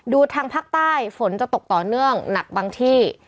ดูทางภาคใต้ฝนจะตกต่อเนื่องหนักบางที่